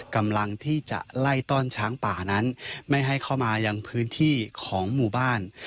กำลังที่จะไล่ต้อนช้างป่านั้นไม่ให้เข้ามายังพื้นที่ของหมู่บ้าน